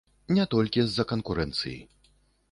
Не толькі з-за канкурэнцыі.